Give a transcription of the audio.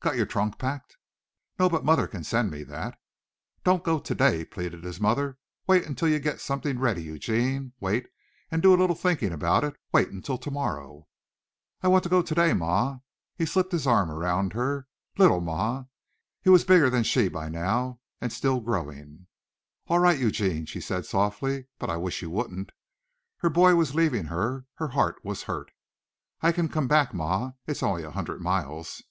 "Got your trunk packed?" "No, but mother can send me that." "Don't go today," pleaded his mother. "Wait until you get something ready, Eugene. Wait and do a little thinking about it. Wait until tomorrow." "I want to go today, ma." He slipped his arm around her. "Little ma." He was bigger than she by now, and still growing. "All right, Eugene," she said softly, "but I wish you wouldn't." Her boy was leaving her her heart was hurt. "I can come back, ma. It's only a hundred miles."